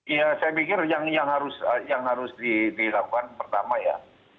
ya saya pikir yang harus dilakukan pertama ya